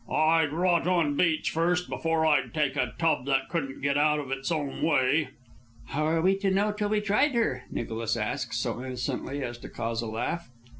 "I'd rot on the beach first before I'd take a tub that couldn't get out of its own way." "How were we to know till we tried her?" Nicholas asked, so innocently as to cause a laugh.